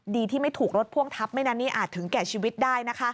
ที่ไม่ถูกรถพ่วงทับไม่นั้นนี่อาจถึงแก่ชีวิตได้นะคะ